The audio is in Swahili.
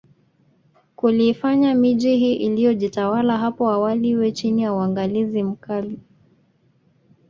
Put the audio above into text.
Kuliifanya miji hii iliyojitawala hapo awali iwe chini ya uangalizi mkali